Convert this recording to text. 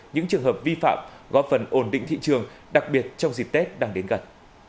những trường hợp vi phạm góp phần ổn định thị trường đặc biệt trong dịp tết đang đến gần